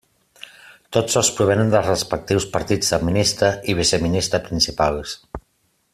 Tots dos provenen dels respectius partits del Ministre i Viceministre Principals.